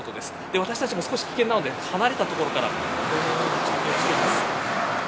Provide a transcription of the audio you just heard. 私たちも、少し危険なので離れた所から中継をしています。